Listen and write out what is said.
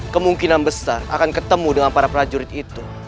kemungkinan besar akan ketemu dengan para prajurit itu